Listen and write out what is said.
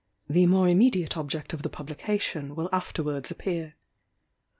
The more immediate object of the publication will afterwards appear.